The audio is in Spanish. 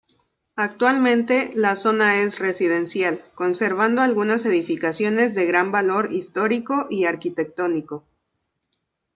Actualmente la zona es residencial, conservando algunas edificaciones de gran valor histórico y arquitectónico.